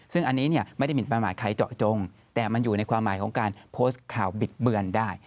ซึ่งอันนี้ไม่ได้หมินประมาทใครเจาะจงแต่มันอยู่ในความหมายของการโพสต์ข่าวบิดเบือนได้